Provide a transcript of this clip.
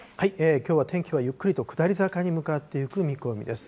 きょうは天気はゆっくりと下り坂に向かっていく見込みです。